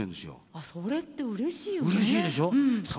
あそれってうれしいよね。